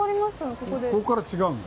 ここから違うんだ。